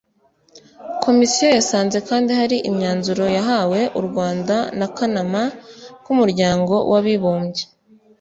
komisiyo yasanze kandi hari imyanzuro yahawe u rwanda n akanama k umuryango w abibumbye